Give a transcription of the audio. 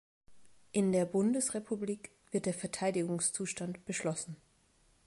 In der Bundesrepublik wird der Verteidigungszustand beschlossen.